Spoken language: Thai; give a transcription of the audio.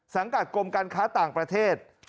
สังกัดกรมการค้าต่างประเทศ